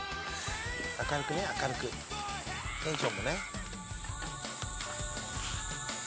明るくね明るくテンションもね。